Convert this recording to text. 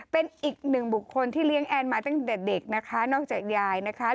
เป็นอีกหนึ่งบุคคลที่เลี้ยงแอนมาตั้งแต่เด็กนะคะนอกจากยายนะคะ